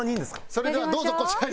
それではどうぞこちらに。